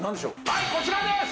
はいこちらです！